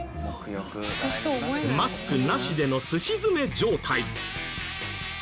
マスクなしでのすし詰め状態。